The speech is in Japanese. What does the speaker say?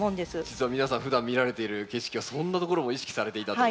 実は皆さんふだん見られている景色はそんなところも意識されていたと。